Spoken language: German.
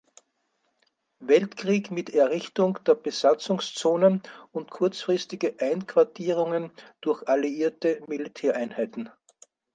Weltkrieg mit Errichtung der Besatzungszonen und kurzfristige Einquartierungen durch alliierte Militäreinheiten.